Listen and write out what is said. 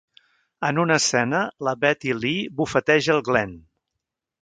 En una escena, la Betty Lee bufeteja el Glenn.